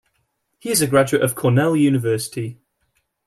He is a graduate of Cornell University.